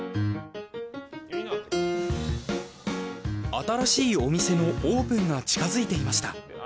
新しいお店のオープンが近づいていました。